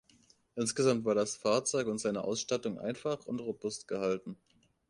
Insgesamt war das Fahrzeug und seine Ausstattung einfach und robust gehalten.